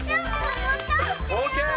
ＯＫ。